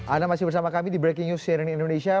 anda masih bersama kami di breaking news cnn indonesia